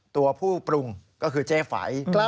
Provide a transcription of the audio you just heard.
ตัวผู้ปรุงก็คือเจ๊ไฝ